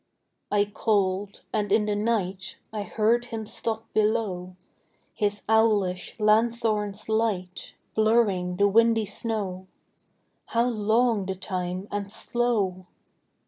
I called. And in the night I heard him stop below, His owlish lanthorn's light Blurring the windy snow How long the time and slow!